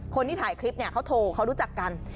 คนที่ถ่ายคลิปเนี่ยเขาโทรเขารู้จักกัน